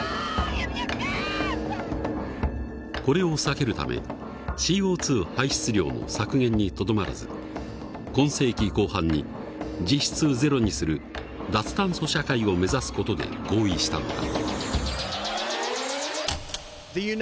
これを避けるためＣＯ排出量の削減にとどまらず今世紀後半に実質ゼロにする脱炭素社会を目指す事で合意したのだ。